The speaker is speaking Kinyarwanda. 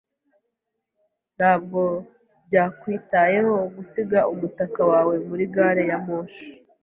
Ntabwo byakwitayeho gusiga umutaka wawe muri gari ya moshi.